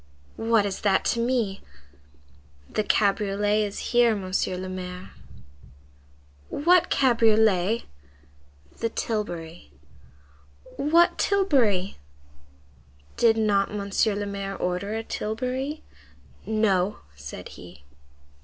"What is that to me?" "The cabriolet is here, Monsieur le Maire." "What cabriolet?" "The tilbury." "What tilbury?" "Did not Monsieur le Maire order a tilbury?" "No," said he.